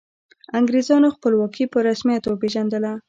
انګریزانو خپلواکي په رسمیت وپيژندله.